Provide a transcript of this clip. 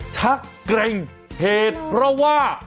ชักเกร็งเหตุเพราะว่า